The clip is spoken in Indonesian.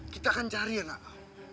kita akan cari anak kau